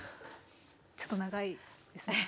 ちょっと長いですね。